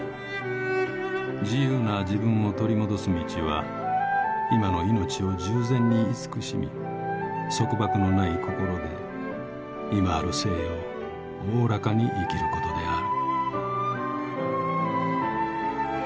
自由な自分を取り戻す道は今のいのちを十全に慈しみ束縛のない心で今ある生をおおらかに生きることである。